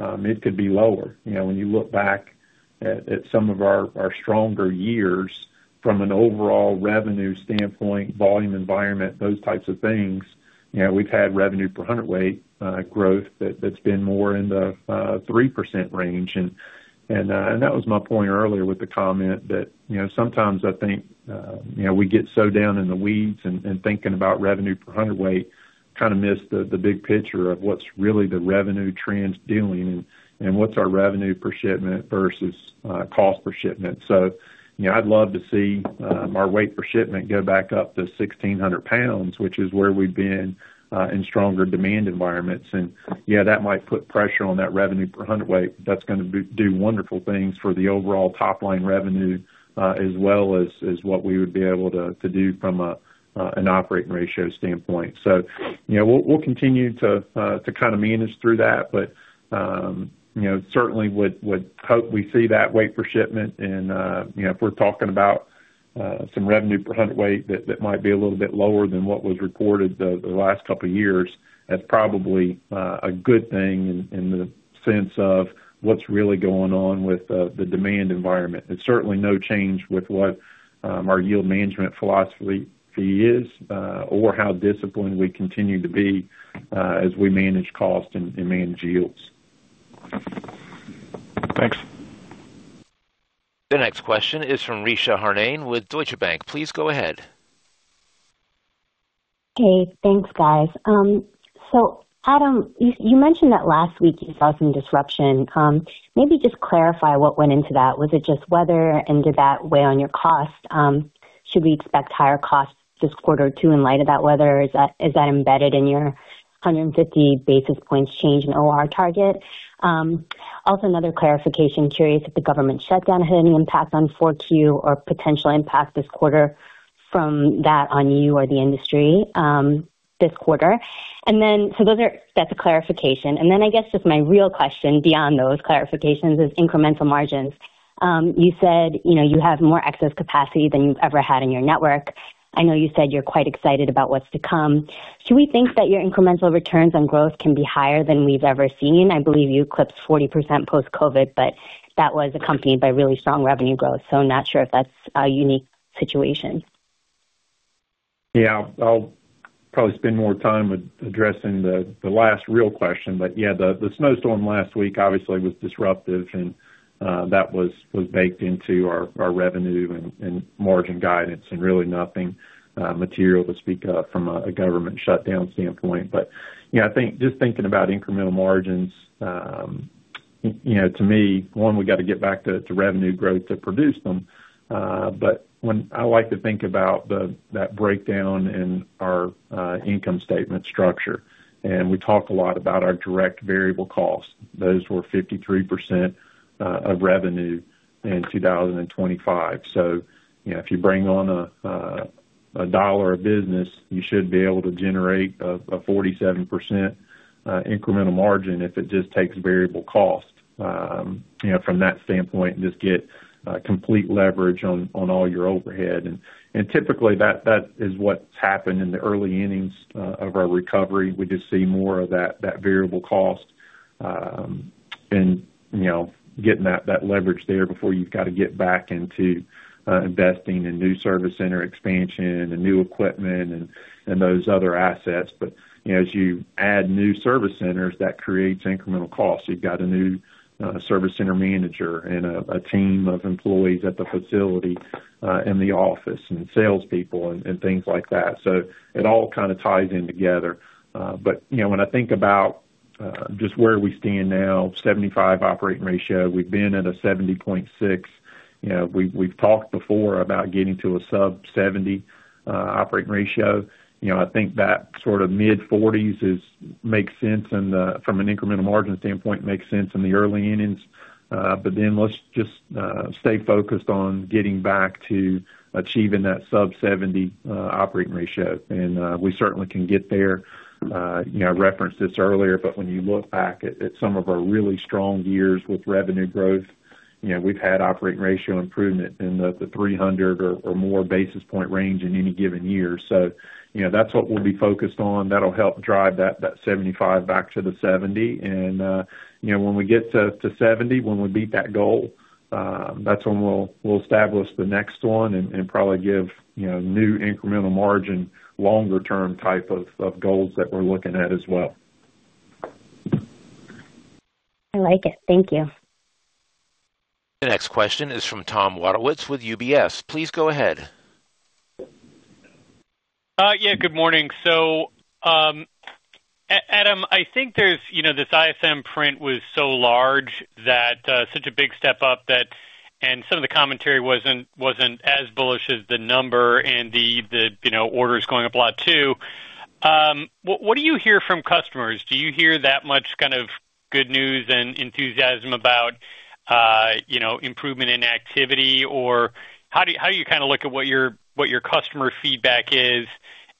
D: it could be lower. When you look back at some of our stronger years from an overall revenue standpoint, volume environment, those types of things, we've had revenue per hundredweight growth that's been more in the 3% range. And that was my point earlier with the comment that sometimes I think we get so down in the weeds and thinking about revenue per hundredweight kind of miss the big picture of what's really the revenue trends doing and what's our revenue per shipment versus cost per shipment. So I'd love to see our weight per shipment go back up to 1,600 lbs, which is where we've been in stronger demand environments. And yeah, that might put pressure on that revenue per hundredweight. That's going to do wonderful things for the overall top-line revenue as well as what we would be able to do from an operating ratio standpoint. So we'll continue to kind of manage through that. But certainly, would hope we see that weight per shipment. And if we're talking about some revenue per hundredweight that might be a little bit lower than what was reported the last couple of years, that's probably a good thing in the sense of what's really going on with the demand environment. It's certainly no change with what our yield management philosophy is or how disciplined we continue to be as we manage cost and manage yields.
M: Thanks.
A: The next question is from Richa Harnain with Deutsche Bank. Please go ahead.
N: Hey, thanks, guys. So Adam, you mentioned that last week you saw some disruption. Maybe just clarify what went into that. Was it just weather, and did that weigh on your cost? Should we expect higher costs this quarter or two in light of that weather? Is that embedded in your 150 basis points change in OR target? Also, another clarification, curious if the government shutdown had any impact on 4Q or potential impact this quarter from that on you or the industry this quarter. So that's a clarification. And then I guess just my real question beyond those clarifications is incremental margins. You said you have more excess capacity than you've ever had in your network. I know you said you're quite excited about what's to come. Should we think that your incremental returns on growth can be higher than we've ever seen? I believe you eclipsed 40% post-COVID, but that was accompanied by really strong revenue growth. So not sure if that's a unique situation.
D: Yeah, I'll probably spend more time addressing the last real question. But yeah, the snowstorm last week, obviously, was disruptive. And that was baked into our revenue and margin guidance and really nothing material to speak of from a government shutdown standpoint. But I think just thinking about incremental margins, to me, one, we got to get back to revenue growth to produce them. But I like to think about that breakdown in our income statement structure. And we talk a lot about our direct variable costs. Those were 53% of revenue in 2025. So if you bring on $1 of business, you should be able to generate a 47% incremental margin if it just takes variable cost from that standpoint and just get complete leverage on all your overhead. And typically, that is what's happened in the early innings of our recovery. We just see more of that variable cost and getting that leverage there before you've got to get back into investing in new service center expansion and new equipment and those other assets. But as you add new service centers, that creates incremental costs. You've got a new service center manager and a team of employees at the facility and the office and salespeople and things like that. So it all kind of ties in together. But when I think about just where we stand now, 75 operating ratio. We've been at a 70.6. We've talked before about getting to a sub-70 operating ratio. I think that sort of mid-40s makes sense from an incremental margin standpoint, makes sense in the early innings. But then let's just stay focused on getting back to achieving that sub-70 operating ratio. And we certainly can get there. I referenced this earlier. But when you look back at some of our really strong years with revenue growth, we've had operating ratio improvement in the 300 or more basis point range in any given year. So that's what we'll be focused on. That'll help drive that 75 back to the 70. And when we get to 70, when we beat that goal, that's when we'll establish the next one and probably give new incremental margin, longer-term type of goals that we're looking at as well.
N: I like it. Thank you.
A: The next question is from Tom Wadewitz with UBS. Please go ahead.
O: Yeah, good morning. So Adam, I think this ISM print was so large, such a big step up, and some of the commentary wasn't as bullish as the number and the orders going up a lot too. What do you hear from customers? Do you hear that much kind of good news and enthusiasm about improvement in activity? Or how do you kind of look at what your customer feedback is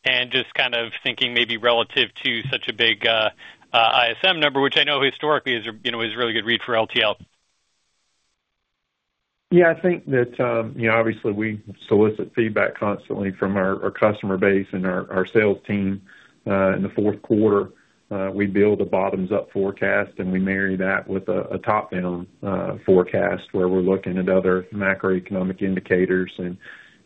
O: and just kind of thinking maybe relative to such a big ISM number, which I know historically is a really good read for LTL?
D: Yeah, I think that obviously, we solicit feedback constantly from our customer base and our sales team. In the fourth quarter, we build a bottoms-up forecast, and we marry that with a top-down forecast where we're looking at other macroeconomic indicators.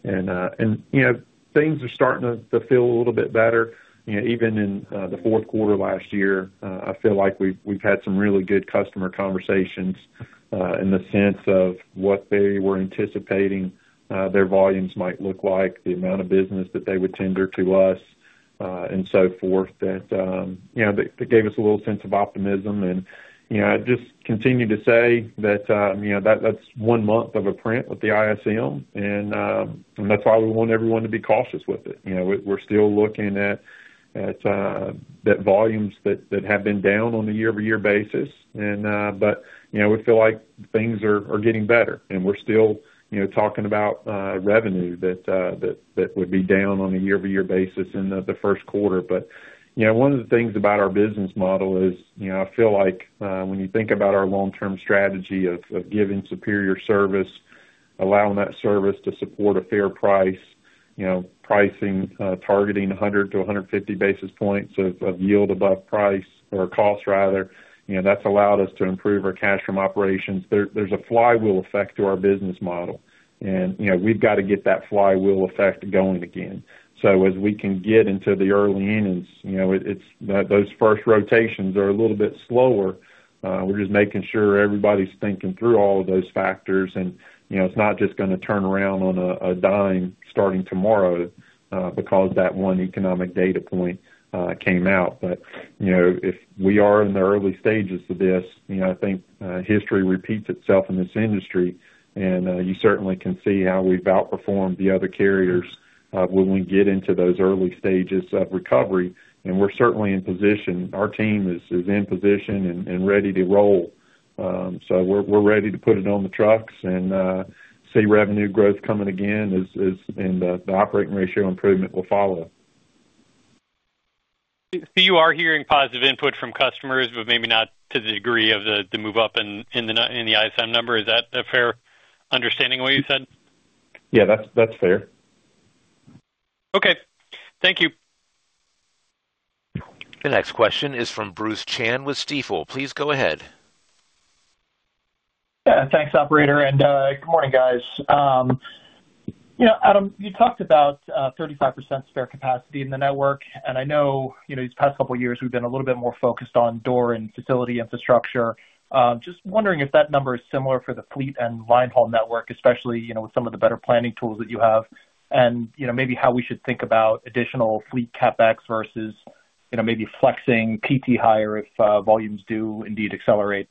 D: Things are starting to feel a little bit better. Even in the fourth quarter last year, I feel like we've had some really good customer conversations in the sense of what they were anticipating their volumes might look like, the amount of business that they would tender to us, and so forth that gave us a little sense of optimism. I just continue to say that that's one month of a print with the ISM, and that's why we want everyone to be cautious with it. We're still looking at volumes that have been down on a year-over-year basis. We feel like things are getting better. And we're still talking about revenue that would be down on a year-over-year basis in the first quarter. But one of the things about our business model is I feel like when you think about our long-term strategy of giving superior service, allowing that service to support a fair price, pricing targeting 100-150 basis points of yield above price or cost, rather, that's allowed us to improve our cash from operations. There's a flywheel effect to our business model. And we've got to get that flywheel effect going again. So as we can get into the early innings, those first rotations are a little bit slower. We're just making sure everybody's thinking through all of those factors. And it's not just going to turn around on a dime starting tomorrow because that one economic data point came out. But if we are in the early stages of this, I think history repeats itself in this industry. And you certainly can see how we've outperformed the other carriers when we get into those early stages of recovery. And we're certainly in position. Our team is in position and ready to roll. So we're ready to put it on the trucks and see revenue growth coming again, and the operating ratio improvement will follow.
O: So you are hearing positive input from customers, but maybe not to the degree of the move up in the ISM number. Is that a fair understanding of what you said?
D: Yeah, that's fair.
O: Okay. Thank you.
A: The next question is from Bruce Chan with Stifel. Please go ahead.
P: Yeah, thanks, operator. And good morning, guys. Adam, you talked about 35% spare capacity in the network. And I know these past couple of years, we've been a little bit more focused on door and facility infrastructure. Just wondering if that number is similar for the fleet and linehaul network, especially with some of the better planning tools that you have, and maybe how we should think about additional fleet CapEx versus maybe flexing PT higher if volumes do indeed accelerate.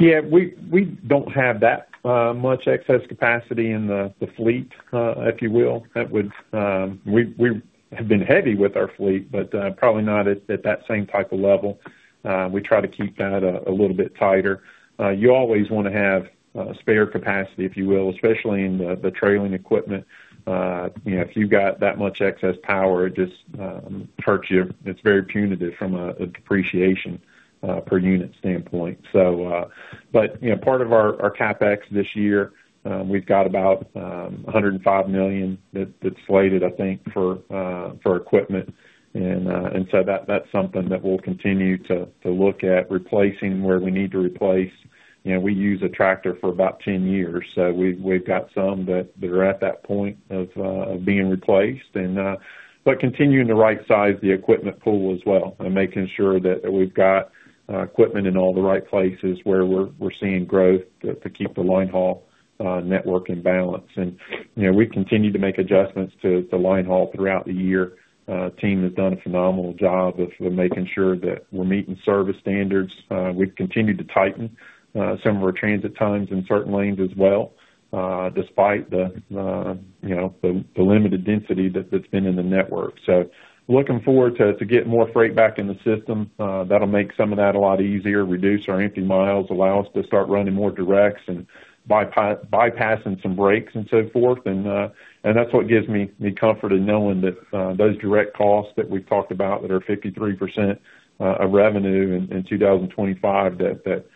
D: Yeah, we don't have that much excess capacity in the fleet, if you will. We have been heavy with our fleet, but probably not at that same type of level. We try to keep that a little bit tighter. You always want to have spare capacity, if you will, especially in the trailing equipment. If you've got that much excess power, it just hurts you. It's very punitive from a depreciation per unit standpoint. But part of our CapEx this year, we've got about $105 million that's slated, I think, for equipment. And so that's something that we'll continue to look at, replacing where we need to replace. We use a tractor for about 10 years. We've got some that are at that point of being replaced, but continuing to right-size the equipment pool as well and making sure that we've got equipment in all the right places where we're seeing growth to keep the linehaul network in balance. We continue to make adjustments to linehaul throughout the year. The team has done a phenomenal job of making sure that we're meeting service standards. We've continued to tighten some of our transit times in certain lanes as well despite the limited density that's been in the network. Looking forward to getting more freight back in the system. That'll make some of that a lot easier, reduce our empty miles, allow us to start running more directs and bypassing some breaks and so forth. That's what gives me comfort in knowing that those direct costs that we've talked about that are 53% of revenue in 2025, that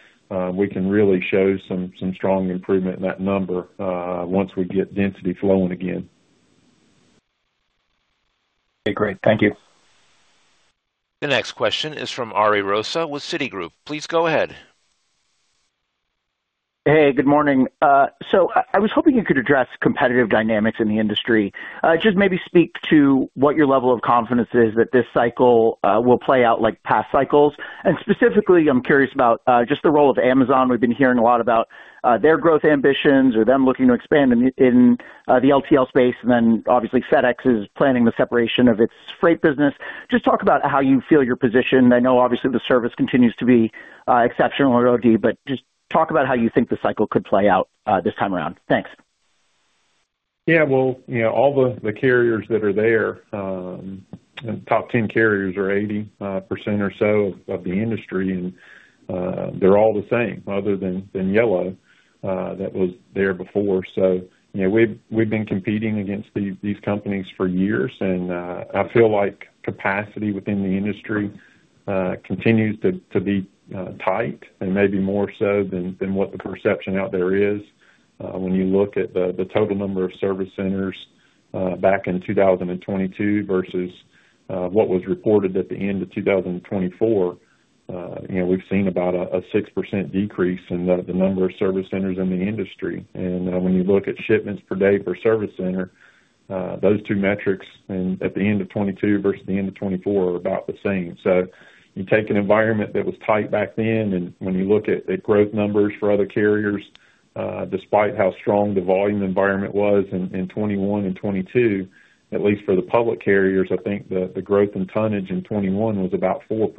D: we can really show some strong improvement in that number once we get density flowing again.
P: Okay, great. Thank you.
A: The next question is from Ari Rosa with Citigroup. Please go ahead.
Q: Hey, good morning. I was hoping you could address competitive dynamics in the industry, just maybe speak to what your level of confidence is that this cycle will play out like past cycles. Specifically, I'm curious about just the role of Amazon. We've been hearing a lot about their growth ambitions or them looking to expand in the LTL space. Then obviously, FedEx is planning the separation of its freight business. Just talk about how you feel your position. I know obviously, the service continues to be exceptional at OD, but just talk about how you think the cycle could play out this time around. Thanks.
D: Yeah, well, all the carriers that are there, top 10 carriers are 80% or so of the industry. And they're all the same other than Yellow that was there before. So we've been competing against these companies for years. And I feel like capacity within the industry continues to be tight and maybe more so than what the perception out there is. When you look at the total number of service centers back in 2022 versus what was reported at the end of 2024, we've seen about a 6% decrease in the number of service centers in the industry. And when you look at shipments per day per service center, those two metrics at the end of 2022 versus the end of 2024 are about the same. So you take an environment that was tight back then, and when you look at growth numbers for other carriers, despite how strong the volume environment was in 2021 and 2022, at least for the public carriers, I think the growth in tonnage in 2021 was about 4%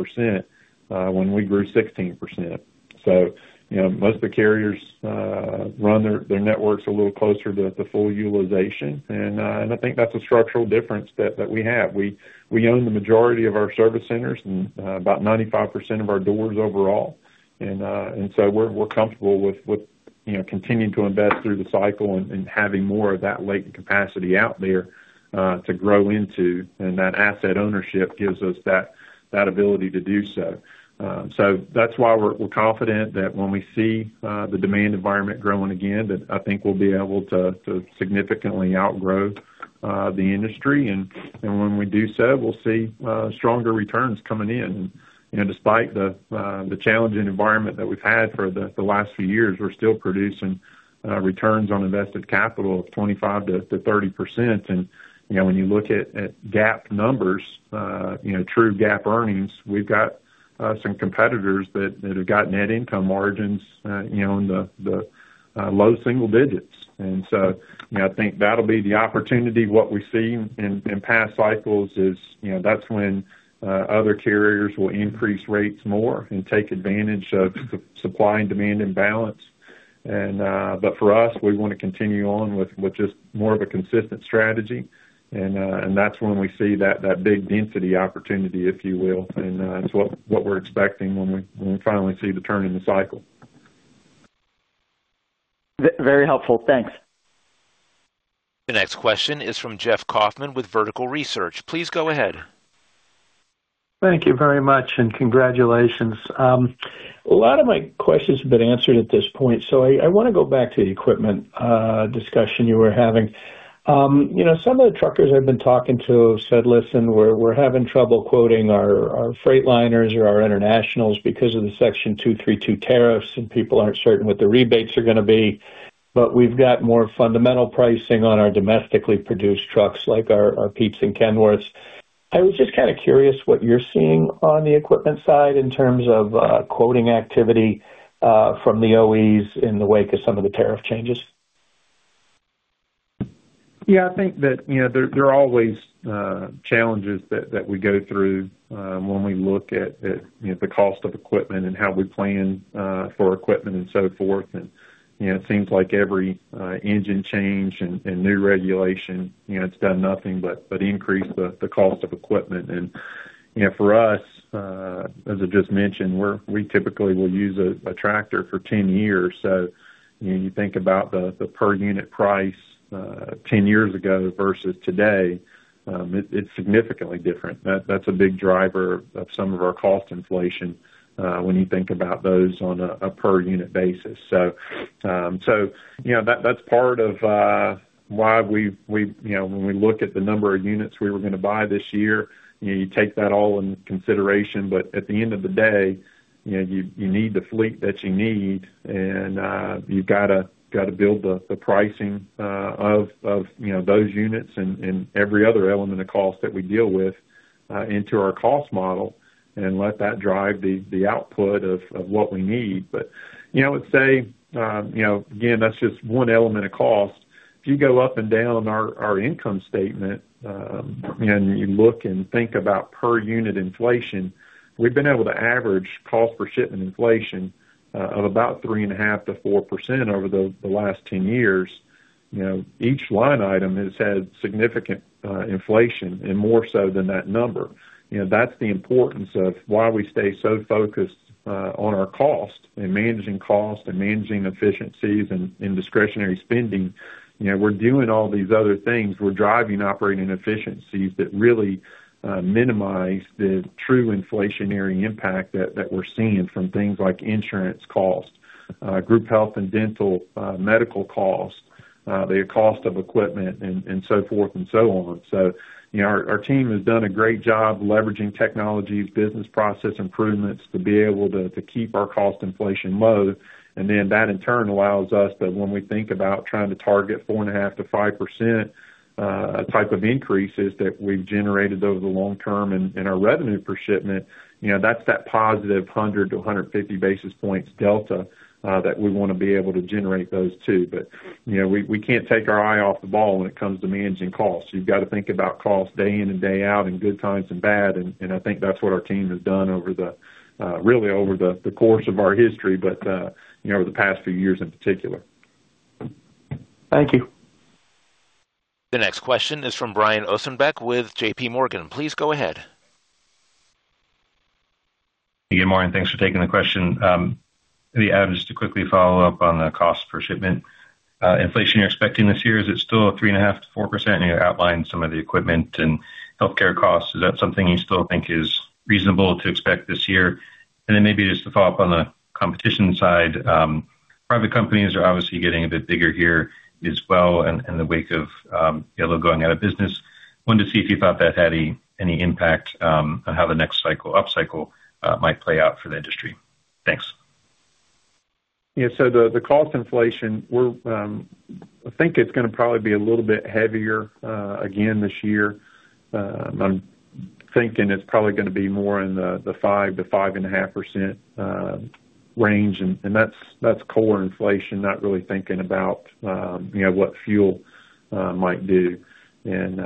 D: when we grew 16%. So most of the carriers run their networks a little closer to full utilization. And I think that's a structural difference that we have. We own the majority of our service centers and about 95% of our doors overall. And so we're comfortable with continuing to invest through the cycle and having more of that latent capacity out there to grow into. And that asset ownership gives us that ability to do so. So that's why we're confident that when we see the demand environment growing again, that I think we'll be able to significantly outgrow the industry. When we do so, we'll see stronger returns coming in. Despite the challenging environment that we've had for the last few years, we're still producing returns on invested capital of 25%-30%. When you look at GAAP numbers, true GAAP earnings, we've got some competitors that have got net income margins in the low single digits. So I think that'll be the opportunity. What we see in past cycles is that's when other carriers will increase rates more and take advantage of supply and demand imbalance. But for us, we want to continue on with just more of a consistent strategy. And that's when we see that big density opportunity, if you will. It's what we're expecting when we finally see the turn in the cycle.
Q: Very helpful. Thanks.
A: The next question is from Jeff Kauffman with Vertical Research. Please go ahead.
R: Thank you very much, and congratulations. A lot of my questions have been answered at this point. So I want to go back to the equipment discussion you were having. Some of the truckers I've been talking to have said, "Listen, we're having trouble quoting our Freightliners or our Internationals because of the Section 232 tariffs, and people aren't certain what the rebates are going to be." But we've got more fundamental pricing on our domestically produced trucks like our Petes and Kenworths. I was just kind of curious what you're seeing on the equipment side in terms of quoting activity from the OEs in the wake of some of the tariff changes.
D: Yeah, I think that there are always challenges that we go through when we look at the cost of equipment and how we plan for equipment and so forth. It seems like every engine change and new regulation, it's done nothing but increase the cost of equipment. For us, as I just mentioned, we typically will use a tractor for 10 years. You think about the per-unit price 10 years ago versus today, it's significantly different. That's a big driver of some of our cost inflation when you think about those on a per-unit basis. That's part of why when we look at the number of units we were going to buy this year, you take that all into consideration. But at the end of the day, you need the fleet that you need, and you've got to build the pricing of those units and every other element of cost that we deal with into our cost model and let that drive the output of what we need. But I would say, again, that's just one element of cost. If you go up and down our income statement and you look and think about per-unit inflation, we've been able to average cost-per-shipment inflation of about 3.5%-4% over the last 10 years. Each line item has had significant inflation, and more so than that number. That's the importance of why we stay so focused on our cost and managing cost and managing efficiencies and discretionary spending. We're doing all these other things. We're driving operating efficiencies that really minimize the true inflationary impact that we're seeing from things like insurance cost, group health and dental medical cost, the cost of equipment, and so forth and so on. So our team has done a great job leveraging technologies, business process improvements to be able to keep our cost inflation low. And then that, in turn, allows us that when we think about trying to target 4.5%-5% type of increases that we've generated over the long term in our revenue per shipment, that's that positive 100-150 basis points delta that we want to be able to generate those too. But we can't take our eye off the ball when it comes to managing costs. You've got to think about cost day in and day out in good times and bad. I think that's what our team has done really over the course of our history, but over the past few years in particular.
R: Thank you.
A: The next question is from Brian Ossenbeck with JPMorgan. Please go ahead.
S: Good morning. Thanks for taking the question. Adam, just to quickly follow up on the cost-per-shipment inflation you're expecting this year, is it still 3.5%-4%? You outlined some of the equipment and healthcare costs. Is that something you still think is reasonable to expect this year? And then maybe just to follow up on the competition side, private companies are obviously getting a bit bigger here as well in the wake of Yellow going out of business. Wanted to see if you thought that had any impact on how the next upcycle might play out for the industry. Thanks.
D: Yeah, so the cost inflation, I think it's going to probably be a little bit heavier again this year. I'm thinking it's probably going to be more in the 5%-5.5% range. And that's core inflation, not really thinking about what fuel might do. And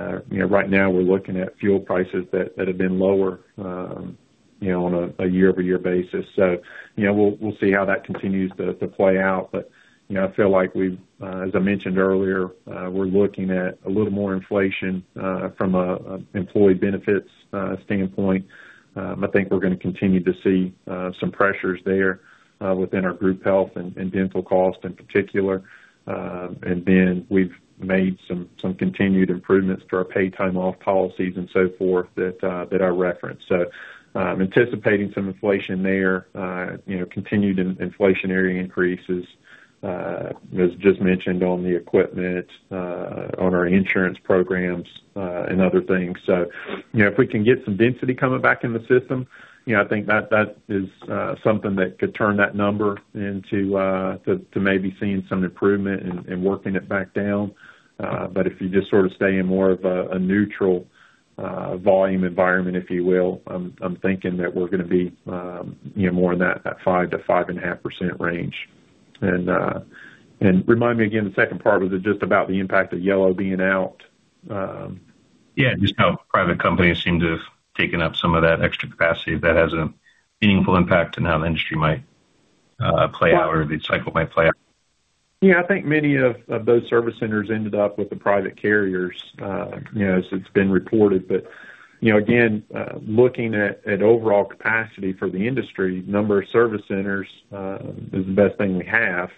D: right now, we're looking at fuel prices that have been lower on a year-over-year basis. So we'll see how that continues to play out. But I feel like we've, as I mentioned earlier, we're looking at a little more inflation from an employee benefits standpoint. I think we're going to continue to see some pressures there within our group health and dental cost in particular. And then we've made some continued improvements to our paid time off policies and so forth that I referenced. So anticipating some inflation there, continued inflationary increases, as just mentioned, on the equipment, on our insurance programs, and other things. So if we can get some density coming back in the system, I think that is something that could turn that number into maybe seeing some improvement and working it back down. But if you just sort of stay in more of a neutral volume environment, if you will, I'm thinking that we're going to be more in that 5%-5.5% range. And remind me again, the second part was just about the impact of Yellow being out.
S: Yeah, just how private companies seem to have taken up some of that extra capacity. If that has a meaningful impact in how the industry might play out or the cycle might play out?
D: Yeah, I think many of those service centers ended up with the private carriers, as it's been reported. But again, looking at overall capacity for the industry, the number of service centers is the best thing we have.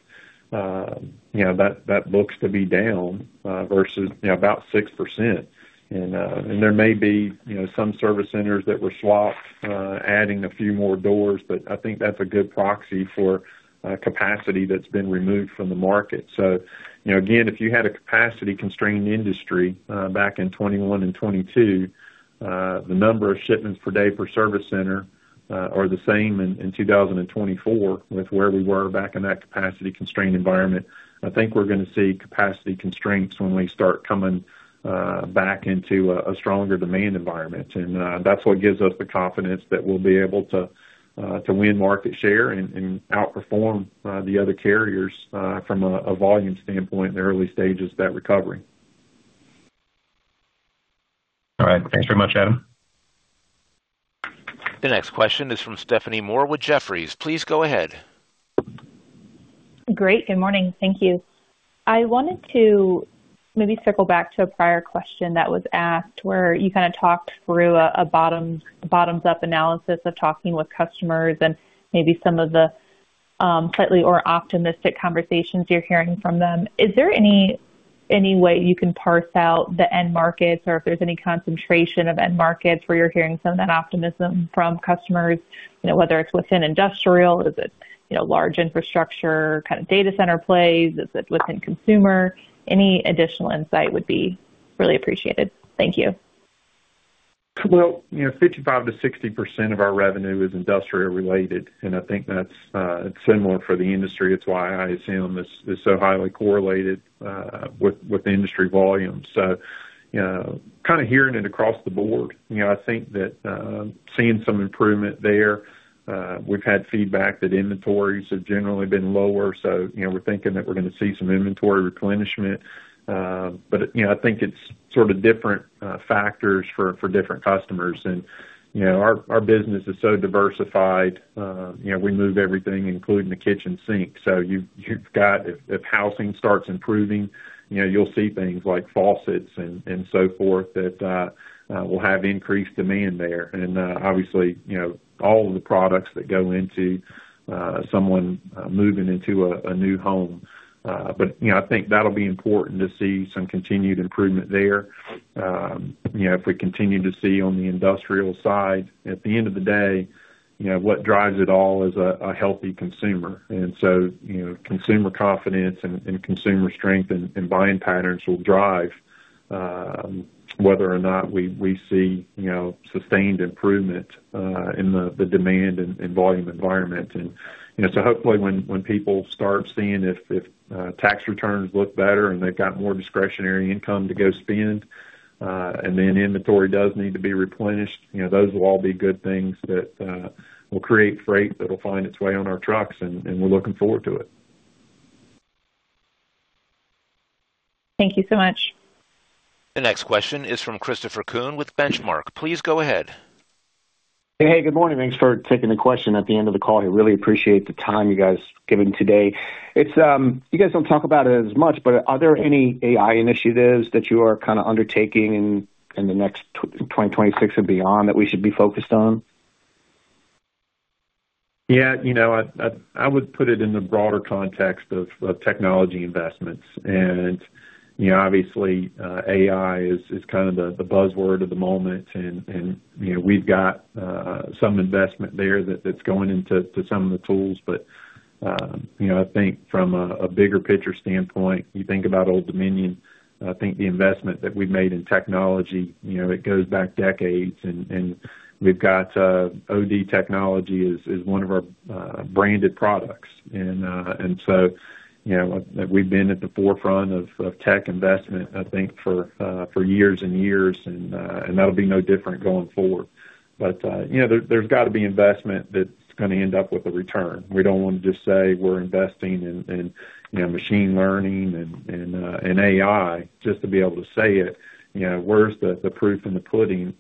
D: That looks to be down versus about 6%. And there may be some service centers that were swapped, adding a few more doors. But I think that's a good proxy for capacity that's been removed from the market. So again, if you had a capacity-constrained industry back in 2021 and 2022, the number of shipments per day per service center are the same in 2024 with where we were back in that capacity-constrained environment. I think we're going to see capacity constraints when we start coming back into a stronger demand environment. That's what gives us the confidence that we'll be able to win market share and outperform the other carriers from a volume standpoint in the early stages of that recovery.
S: All right. Thanks very much, Adam.
A: The next question is from Stephanie Moore with Jefferies. Please go ahead.
T: Great. Good morning. Thank you. I wanted to maybe circle back to a prior question that was asked where you kind of talked through a bottoms-up analysis of talking with customers and maybe some of the slightly more optimistic conversations you're hearing from them. Is there any way you can parse out the end markets or if there's any concentration of end markets where you're hearing some of that optimism from customers, whether it's within industrial, is it large infrastructure kind of data center plays? Is it within consumer? Any additional insight would be really appreciated. Thank you.
D: Well, 55%-60% of our revenue is industrial-related. And I think that's similar for the industry. That's why I assume it's so highly correlated with industry volumes. So kind of hearing it across the board, I think that seeing some improvement there. We've had feedback that inventories have generally been lower. So we're thinking that we're going to see some inventory replenishment. But I think it's sort of different factors for different customers. And our business is so diversified. We move everything, including the kitchen sink. So if housing starts improving, you'll see things like faucets and so forth that will have increased demand there. And obviously, all of the products that go into someone moving into a new home. But I think that'll be important to see some continued improvement there. If we continue to see on the industrial side, at the end of the day, what drives it all is a healthy consumer. And so consumer confidence and consumer strength and buying patterns will drive whether or not we see sustained improvement in the demand and volume environment. And so hopefully, when people start seeing if tax returns look better and they've got more discretionary income to go spend and then inventory does need to be replenished, those will all be good things that will create freight that'll find its way on our trucks. And we're looking forward to it.
T: Thank you so much.
A: The next question is from Christopher Kuhn with Benchmark. Please go ahead.
U: Hey, good morning. Thanks for taking the question at the end of the call. I really appreciate the time you guys given today. You guys don't talk about it as much, but are there any AI initiatives that you are kind of undertaking in the next 2026 and beyond that we should be focused on?
D: Yeah, I would put it in the broader context of technology investments. Obviously, AI is kind of the buzzword of the moment. We've got some investment there that's going into some of the tools. But I think from a bigger picture standpoint, you think about Old Dominion, I think the investment that we've made in technology, it goes back decades. We've got OD Technology as one of our branded products. So we've been at the forefront of tech investment, I think, for years and years. That'll be no different going forward. But there's got to be investment that's going to end up with a return. We don't want to just say we're investing in machine learning and AI just to be able to say it. Where's the proof in the pudding?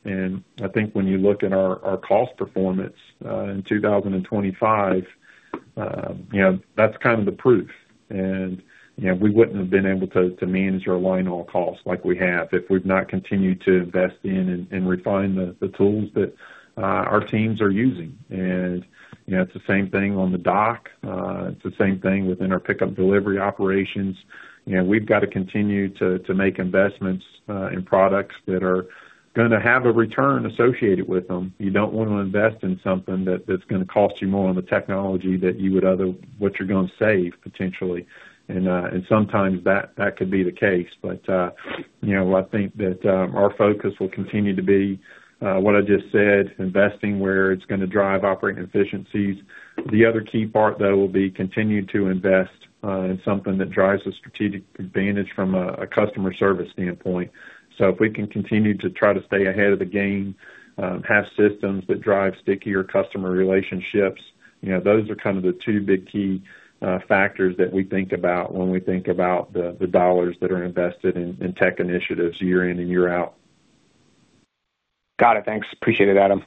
D: I think when you look at our cost performance in 2025, that's kind of the proof. We wouldn't have been able to manage our line-haul costs like we have if we've not continued to invest in and refine the tools that our teams are using. It's the same thing on the dock. It's the same thing within our pickup delivery operations. We've got to continue to make investments in products that are going to have a return associated with them. You don't want to invest in something that's going to cost you more on the technology than what you're going to save, potentially. Sometimes that could be the case. But I think that our focus will continue to be what I just said, investing where it's going to drive operating efficiencies. The other key part, though, will be continuing to invest in something that drives a strategic advantage from a customer service standpoint. So if we can continue to try to stay ahead of the game, have systems that drive stickier customer relationships, those are kind of the two big key factors that we think about when we think about the dollars that are invested in tech initiatives year in and year out.
U: Got it. Thanks. Appreciate it, Adam.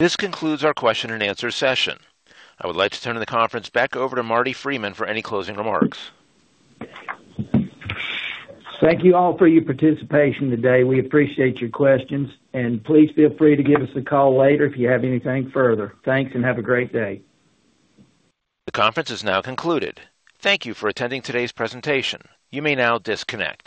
A: This concludes our question-and-answer session. I would like to turn the conference back over to Marty Freeman for any closing remarks.
C: Thank you all for your participation today. We appreciate your questions. Please feel free to give us a call later if you have anything further. Thanks, and have a great day.
A: The conference is now concluded. Thank you for attending today's presentation. You may now disconnect.